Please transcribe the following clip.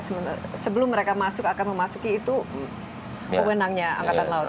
sebelum mereka masuk akan memasuki itu wewenangnya angkatan laut